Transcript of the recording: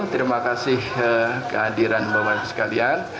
terima kasih kehadiran bapak bapak sekalian